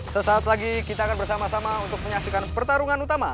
sesaat lagi kita akan bersama sama untuk menyaksikan pertarungan utama